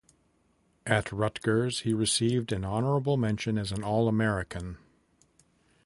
At Rutgers, he received an honourable mention as an All-American.